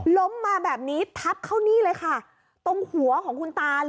ล้มมาแบบนี้ทับเข้านี่เลยค่ะตรงหัวของคุณตาเลย